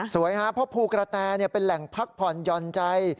สวยค่ะเพราะภูกระแท่เป็นแหล่งพักผ่อนยอนใจ